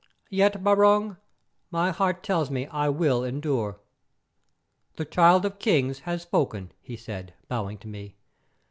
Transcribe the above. Yet, Barung, my heart tells me I shall endure." "The Child of Kings has spoken," he said, bowing to me.